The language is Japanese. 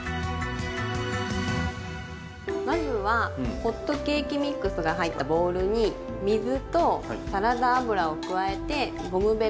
まずはホットケーキミックスが入ったボウルに水とサラダ油を加えてゴムべらで混ぜて下さい。